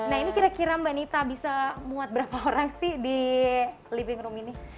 nah ini kira kira mbak nita bisa muat berapa orang sih di living room ini